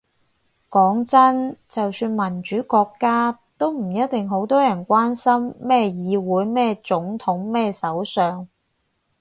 講真，就算民主國家，都唔一定好多人關心咩議會咩總統咩首相